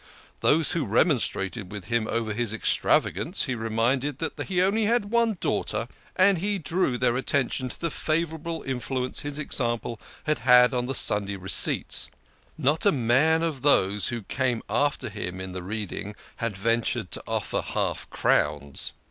Those who remonstrated with him over his extravagance he reminded that he had only one daughter, and he drew their attention to the favourable influence his example had had on the Saturday receipts. Not a man of those who came after him in the Reading had ventured to offer half crowns.